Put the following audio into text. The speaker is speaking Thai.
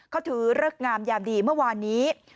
เขาถือเลิกงามยามดีเมื่อวานนี้